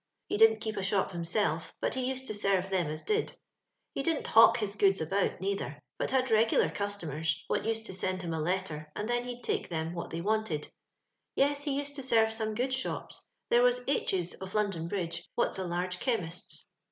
He didn't keep a shop himwTf, but ho used to serve them as did ; ne didn't btwk his goods about, neother, but had regolar cus tomers, what used to send him a letter, and then he'd take them wimt they wanted. Teti he used to serve some good shops : there was H 's, of London Bridge, what's a large chemist's.